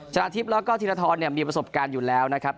ชนะทิพย์แล้วก็ธีรทรมีประสบการณ์อยู่แล้วนะครับ